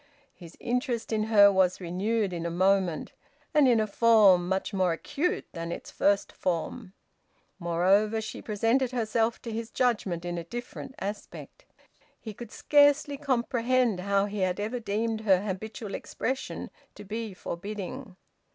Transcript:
His interest in her was renewed in a moment, and in a form much more acute than its first form. Moreover, she presented herself to his judgement in a different aspect. He could scarcely comprehend how he had ever deemed her habitual expression to be forbidding.